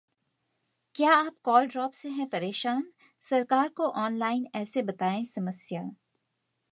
क्या आप call drop से हैं परेशान? सरकार को ऑनलाइन ऐसे बताएं समस्या